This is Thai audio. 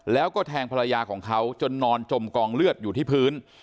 แล้วก็แทงภรรยาของเขาจนนอนจมกองเลือดอยู่ที่พื้น